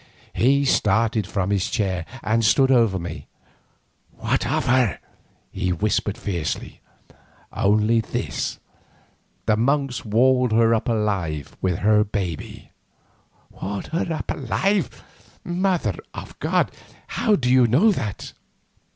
He started from his chair and stood over me. "What of her?" he whispered fiercely. "Only this, the monks walled her up alive with her babe." "Walled her up alive! Mother of God! how do you know that?"